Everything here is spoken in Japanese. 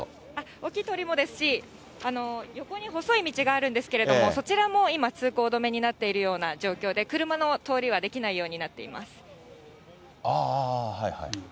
大きい通りもですし、横に細い道もあるんですけれども、そちらも今、通行止めになっているような状況で、車の通りはできないようになっています。